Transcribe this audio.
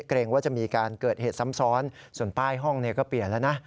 เกรงว่าจะมีการเกิดเหตุซ้ำซ้อนส่วนป้ายห้องก็เปลี่ยนแล้วนะ